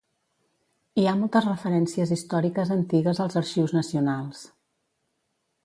Hi ha moltes referències històriques antigues als Arxius Nacionals.